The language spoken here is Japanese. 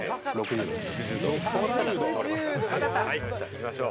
行きましょう！